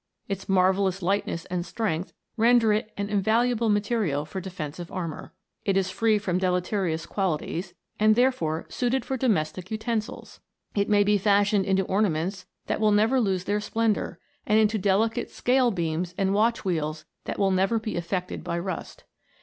Its marvel lous lightness and strength render it an invaluable material for defensive armour. It is free from deleterious qualities, and therefore suited for domes tic utensils. It may be fashioned into ornaments that will never lose their splendour, and into deli * M. St. Claire Deville. G 82 MODERN ALCHEMY. cate scale beams and watch wheels that will never be affected by rust.